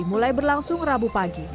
mulai berlangsung rabu pagi